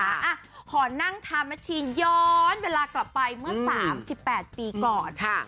อ่ะขอนั่งทามัชชีย้อนเวลากลับไปเมื่อ๓๘ปีก่อน